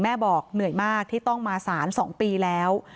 บอกเหนื่อยมากที่ต้องมาสาร๒ปีแล้ว